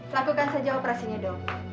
lakukan saja operasinya dok